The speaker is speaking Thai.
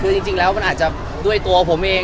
คือจริงแล้วมันอาจจะด้วยตัวผมเอง